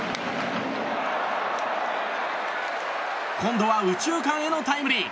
今度は右中間へのタイムリー。